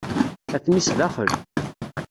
Atni sdaxel.